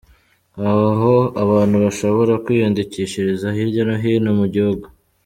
Aho abantu bashobora kwiyandikishiriza hirya no hino mu gihugu.